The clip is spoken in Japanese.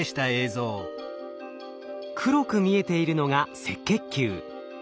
黒く見えているのが赤血球。